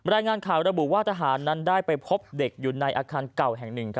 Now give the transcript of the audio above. รายงานข่าวระบุว่าทหารนั้นได้ไปพบเด็กอยู่ในอาคารเก่าแห่งหนึ่ง